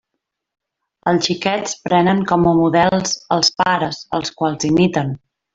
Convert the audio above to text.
Els xiquets prenen com a models els pares, als quals imiten.